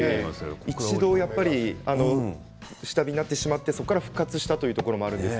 一度下火になってしまってそこから復活したということがあるんです。